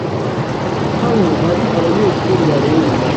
Hano hari abanyeshuri barenga